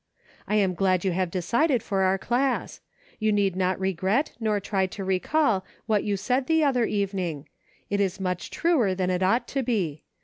I am glad you have decided for our class. You need not regret nor try to recall what you said the other evening ; it is much truer than it ought to be.